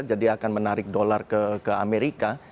jadi akan menarik dolar ke amerika